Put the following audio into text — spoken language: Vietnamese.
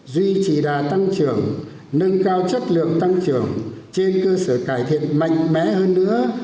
duy trì đà tăng trưởng nâng cao chất lượng tăng trưởng trên cơ sở cải thiện mạnh mẽ hơn nữa